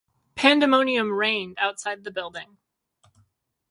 Pandemonium reigned outside the building.